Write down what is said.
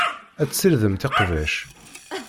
Ad tessirdemt iqbac.